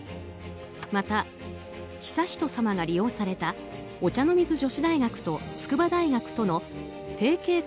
また、悠仁さまが利用されたお茶の水女子大学と筑波大学との提携